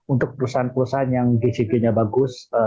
untuk perusahaan perusahaan yang gcg nya bagus